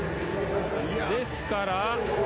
ですから。